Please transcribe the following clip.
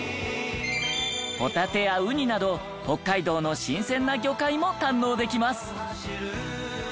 ホタテやウニなど北海道の新鮮な魚介も堪能できます。